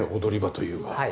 踊り場というか。